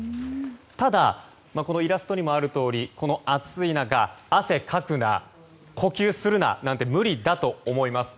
ただ、イラストにもあるようにこの暑い中、汗をかくな呼吸をするななんて無理だと思います。